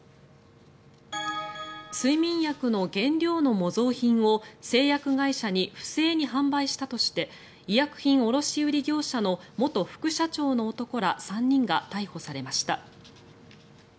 睡眠薬の原料の模造品を製薬会社に不正に販売したとして医薬品卸売業者の元副社長の男ら３人が逮捕されました。